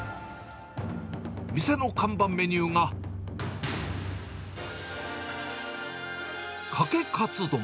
店の看板メニューが、かけかつ丼。